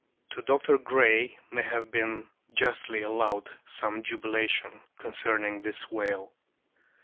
To Dr. Gray may have been justly allowed some jubilation concerning this whale.